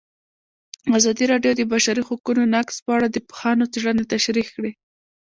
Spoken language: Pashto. ازادي راډیو د د بشري حقونو نقض په اړه د پوهانو څېړنې تشریح کړې.